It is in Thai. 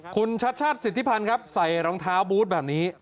คุณชัดชาติสิทธิพันธ์ครับใส่รองเท้าบูธแบบนี้